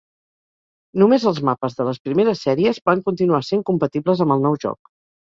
Només els mapes de les primeres sèries van continuar sent compatibles amb el nou joc.